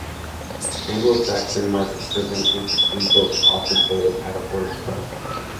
Anglo-Saxon Markets present interesting books, often old at affordable prices.